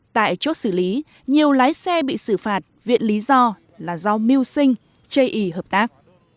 tại chốt xử lý nhiều lái xe bị xử phạt viện lý do là do mưu sinh chây ý hợp tác